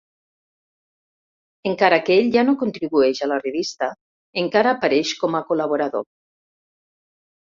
Encara que ell ja no contribueix a la revista, encara apareix com a col·laborador.